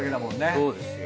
そうですよ。